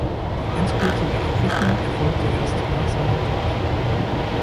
Die endgültige Abrechnung erfolgte erst nach seinem Tod.